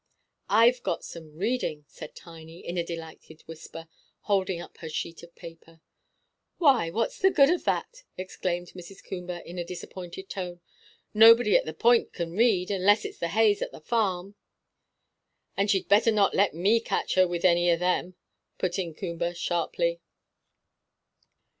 "I've got some reading," said Tiny, in a delighted whisper, holding up her sheet of paper. "Why, what's the good of that?" exclaimed Mrs. Coomber, in a disappointed tone. "Nobody at the Point can read, unless it's the Hayes' at the farm." "And she'd better not let me catch her with any of them," put in Coomber, sharply.